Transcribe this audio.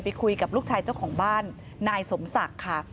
คุยกับลูกชายเจ้าของบ้านนายสมศักดิ์ค่ะ